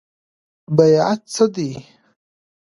بیعت څه دی؟